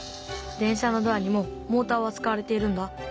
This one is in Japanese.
電車のドアにもモーターは使われているんだ。